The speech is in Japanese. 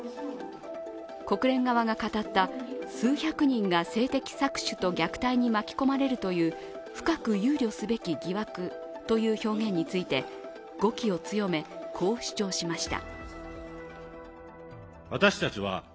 国連側が語った数百人が性的搾取と虐待に巻き込まれるという深く憂慮すべき疑惑という表現について語気を強め、こう主張しました。